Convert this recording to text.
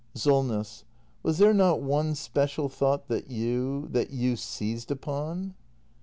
SOLNESS. Was there not one special thought that you — that you seized upon